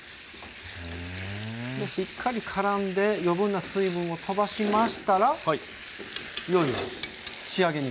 でしっかりからんで余分な水分をとばしましたらいよいよ仕上げに。